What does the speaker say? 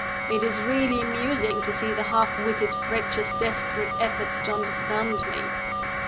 It is really amusing to see the half witted wretch's desperate efforts to understand me.